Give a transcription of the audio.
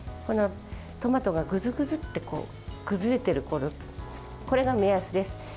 このトマトがぐずぐずって崩れているころこれが目安です。